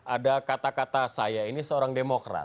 ada kata kata saya ini seorang demokrat